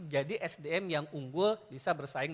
jadi sdm yang unggul bisa bersaing